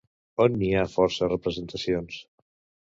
On n'hi ha força representacions?